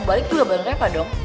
balik juga berangkat dong